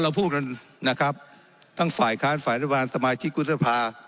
พูดกันนะครับทั้งฝ่ายค้านฝ่ายรัฐบาลสมาชิกวุฒิภา